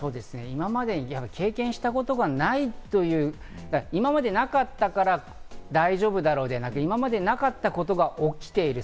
今まで経験したことがないという、今までなかったから大丈夫だろう、ではなくて、今までなかったことが起きている。